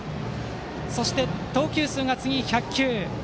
そして、投球数が１００球。